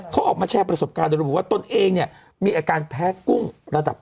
เขาออกมาแชร์ประสบการณ์โดยระบุว่าตนเองเนี่ยมีอาการแพ้กุ้งระดับ